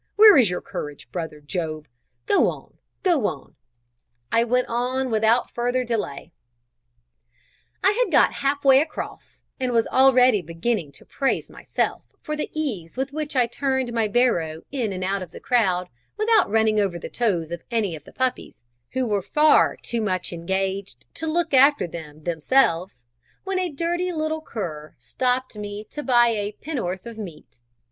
where is your courage, brother Job? Go on; go on;" I went on without further delay. I had got half way across, and was already beginning to praise myself for the ease with which I turned my barrow in and out of the crowd without running over the toes of any of the puppies, who were far too much engaged to look after them themselves when a dirty little cur stopped me to buy a penn'orth of meat.